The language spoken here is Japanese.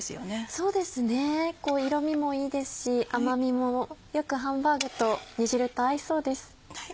そうですね色みもいいですし甘みもよくハンバーグと煮汁と合いそうです。